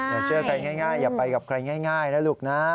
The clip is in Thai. อย่าเชื่อใครง่ายอย่าไปกับใครง่ายนะลูกนะ